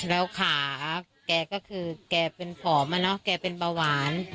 แล้วขาแก่ก็คือแก่เป็นผอมอะเนอะแก่เป็นบะหวาน